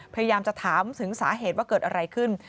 พยายามจะถามถึงสาเหตุว่าเกิดอะไรขึ้น